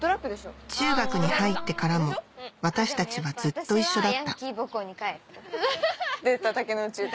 中学に入ってからも私たちはずっと一緒だった出た竹野内豊。